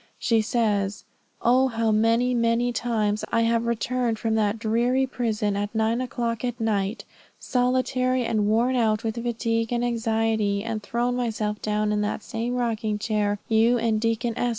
She says, "Oh how many, many times have I returned from that dreary prison at nine o'clock at night, solitary and worn out with fatigue and anxiety, and thrown myself down in that same rocking chair you and Deacon S.